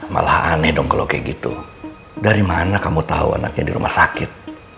malah aneh dong kalau kayak gitu dari mana kamu tahu anaknya di rumah sakit